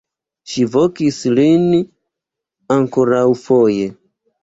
Ŝi vokis lin ankoraŭfoje.